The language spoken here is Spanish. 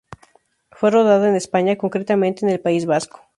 Fue rodada en España, concretamente en el País Vasco.